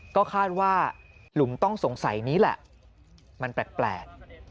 ก็คาดว่าหลุมต้องสงสัยนี้แหละมันแปลก